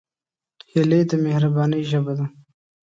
هیلۍ د مهربانۍ ژبه لري